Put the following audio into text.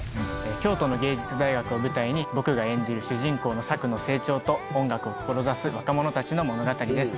京都の芸術大学を舞台に僕が演じる主人公の朔の成長と音楽を志す若者たちの物語です。